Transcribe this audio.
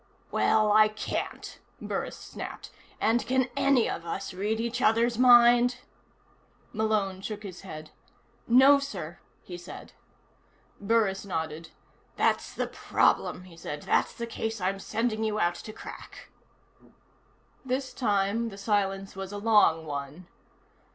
"Well, I can't," Burris snapped. "And can any of us read each other's mind?" Malone shook his head. "No, sir," he said. Burris nodded. "That's the problem," he said. "That's the case I'm sending you out to crack." This time, the silence was a long one.